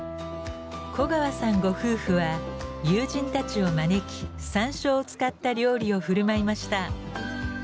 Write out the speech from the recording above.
古川さんご夫婦は友人たちを招き山椒を使った料理を振る舞いました。